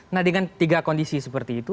nah dengan tiga kondisi seperti itu